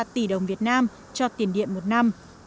tỷ đồng việt nam cho tiền điện một năm